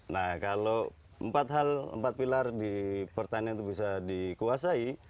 jadi kalau empat pilar di pertanian itu bisa dikuasai